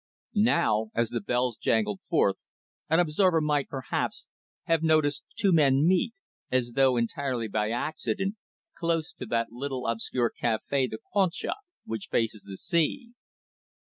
Now as the bells jangled forth an observer might, perhaps, have noticed two men meet, as though entirely by accident, close to that obscure little cafe "The Concha," which faces the sea.